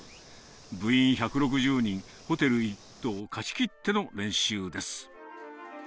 部員１６０人、ホテル１棟を貸し切っての練習です。